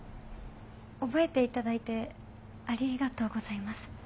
覚えて頂いてありがとうございます。